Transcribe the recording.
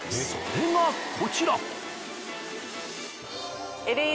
それがこちら。